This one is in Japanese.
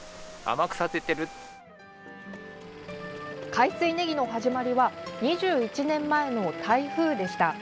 海水ねぎの始まりは２１年前の台風でした。